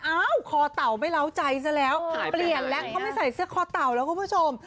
คอเต่าไม่เล้าใจซะแล้วเปลี่ยนแล้วเขาไม่ใส่เสื้อคอเต่าแล้วคุณผู้ชม